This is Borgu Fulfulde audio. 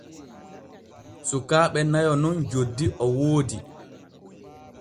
Sukaaɓe nayo nun joddi o woodi.